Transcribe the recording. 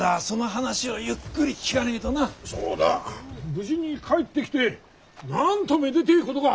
無事に帰ってきてなんとめでてぇことか。